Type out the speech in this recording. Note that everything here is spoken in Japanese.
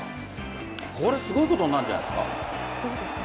これすごいことになるんじゃないですか？